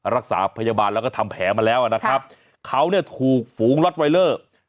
รักษาพยาบาลแล้วก็ทำแผลมาแล้วนะครับเขาเนี่ยถูกฝูงล็อตไวเลอร์